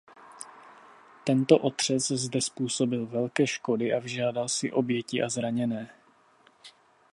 Tento otřes zde způsobil velké škody a vyžádal si oběti a zraněné.